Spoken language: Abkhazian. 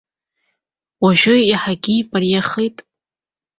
Уажәы иаҳагьы имариахеит.